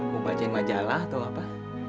gue bacain majalah atau apa